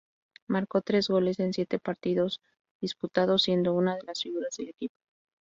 Marcó tres goles en siete partidos disputados, siendo una de las figuras del equipo.